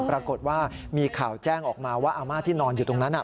ปรากฏว่ามีข่าวแจ้งออกมาว่าอาม่าที่นอนอยู่ตรงนั้น